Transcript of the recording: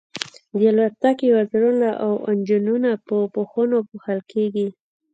د الوتکې وزرونه او انجنونه په پوښونو پوښل کیږي